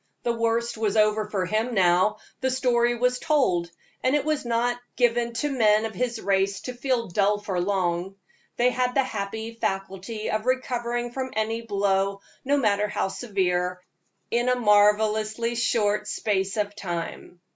The worst was over for him now; the story was told, and it was not given to men of his race to feel dull for long. They had the happy faculty of recovering from any blow, no matter how severe, in a marvelously short space of time.